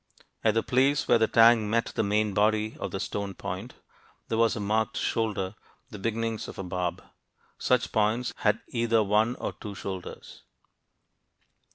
At the place where the tang met the main body of the stone point, there was a marked "shoulder," the beginnings of a barb. Such points had either one or two shoulders.